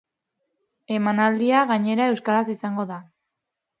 Emanaldia, gainera, euskaraz izango da.